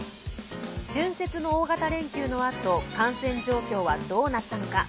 春節の大型連休のあと感染状況はどうなったのか。